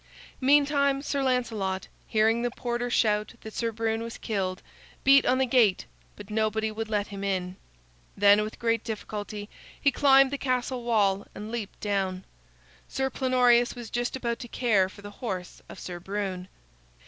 Meantime, Sir Lancelot, hearing the porter shout that Sir Brune was killed, beat on the gate, but nobody would let him in. Then with great difficulty he climbed the castle wall and leaped down. Sir Plenorius was just about to care for the horse of Sir Brune.